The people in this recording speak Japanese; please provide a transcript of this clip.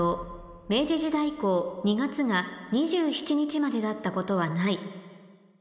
「明治時代以降２月が２７日までだったことはない」